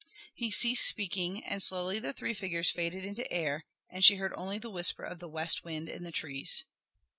He ceased speaking, and slowly the three figures faded into air, and she heard only the whisper of the west wind in the trees.